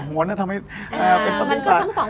มันได้ทำให้เป็นต่าง